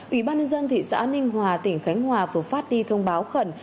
ủy ban nhân dân thị xã ninh hòa tỉnh khánh hòa vừa phát đi thông báo khẩn